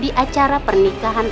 di acara pernikahan